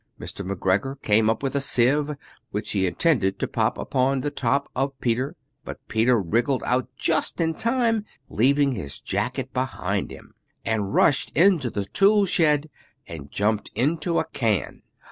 Mr. McGregor came up with a sieve, which he intended to pop upon the top of Peter; but Peter wriggled out just in time, leaving his jacket behind him. And rushed into the tool shed, and jumped into a can.